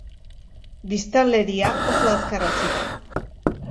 Biztanleria oso azkar hazi da.